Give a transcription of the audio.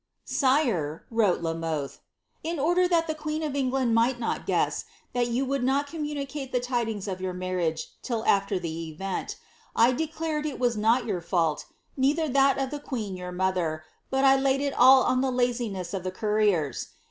" Sire," wrote La Mothe,* " in order that the queen of Eng knd might not guess that you would not communicate tiie tidings of your marriage, till after the event, I declared it was not your fault, neither that of the queen your mother, but 1 laid all on the laziness of the couriers.